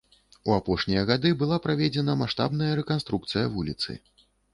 У апошнія гады была праведзена маштабная рэканструкцыя вуліцы.